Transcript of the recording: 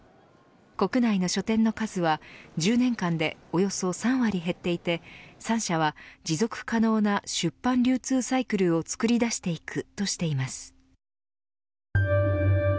国内の書店の数は１０年間でおよそ３割減っていて３社は持続可能な出版流通サイクルを創り出していくとしています。